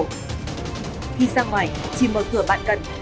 khi ra ngoài chỉ mở cửa bạn cần